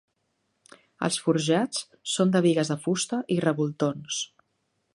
Els forjats són de bigues de fusta i revoltons.